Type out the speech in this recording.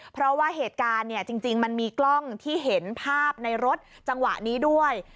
เพราะว่าเหตุการณ์เนี่ยจริงมันมีกล้องที่เห็นภาพในรถจังหวะนี้ด้วย